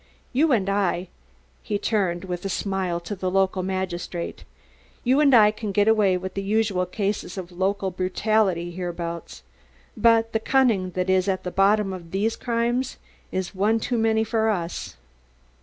You and I" he turned with a smile to the local magistrate "you and I can get away with the usual cases of local brutality hereabouts. But the cunning that is at the bottom of these crimes is one too many for us."